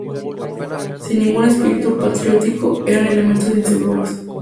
Sin ningún espíritu patriótico, eran elementos inseguros.